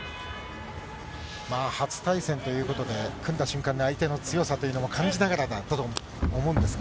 初対戦ということで、組んだ瞬間の相手の強さというのも感じながらだと思うんですが。